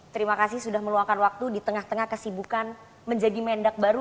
terima kasih sudah meluangkan waktu di tengah tengah kesibukan menjadi mendak baru